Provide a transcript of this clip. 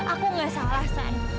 aku gak salah san